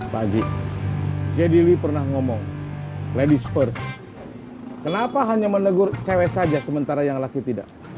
pak haji jadi li pernah ngomong ladies first kenapa hanya menegur cewek saja sementara yang laki tidak